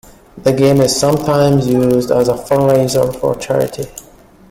The game is sometimes used as a fundraiser for charity.